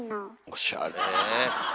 おしゃれ。